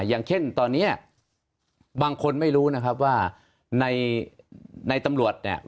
อย่างเช่นตอนนี้บางคนไม่รู้นะครับว่าในตำรวจเนี่ย